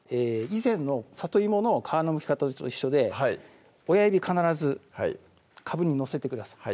以前の里芋の皮のむき方と一緒で親指必ずかぶに乗せてください